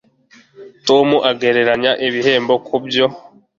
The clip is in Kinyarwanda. tom agereranya ibihembo kubyo